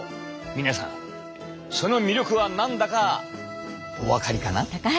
皆さんその魅力は何だかお分かりかな？